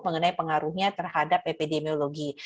mengenai pengaruhnya terhadap epidemiologi